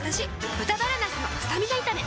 「豚バラなすのスタミナ炒め」